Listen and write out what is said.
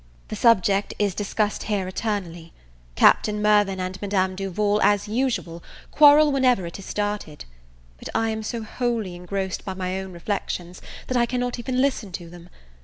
The subject is discussed here eternally. Captain Mirvan and Madame Duval, as usual, quarrel whenever it is started: but I am so wholly engrossed by my own reflections, that I cannot even listen to them.